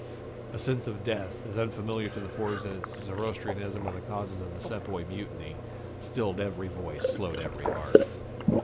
A sense of death, as unfamiliar to the Fords as Zoroastrianism or the causes of the Sepoy Mutiny, stilled every voice, slowed every heart.